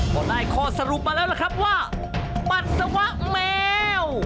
ก็ได้ข้อสรุปมาแล้วล่ะครับว่าปัสสาวะแมว